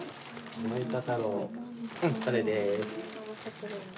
うんそれです。